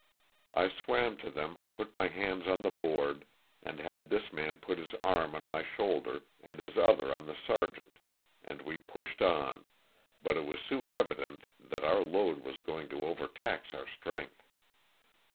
I swam to them put my hands on the board and had this man put his arm on my shoulder and his other on the sergeant and we pushed on, but it was soon evident that our load was going to overtax our strength.